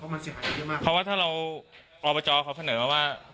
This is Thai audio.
เพราะว่าถ้าเราเอาไปจอเขาขนิดหน่อยว่า